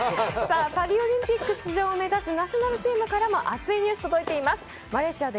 パリオリンピックを目指すナショナルチームからアツいニュースが届いています。